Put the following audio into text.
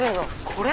これ？